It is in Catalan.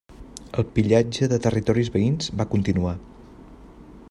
El pillatge de territoris veïns va continuar.